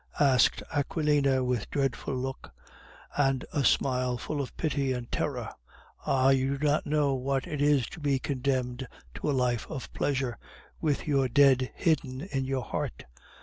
asked Aquilina, with dreadful look, and a smile full of pity and terror. "Ah, you do not know what it is to be condemned to a life of pleasure, with your dead hidden in your heart...."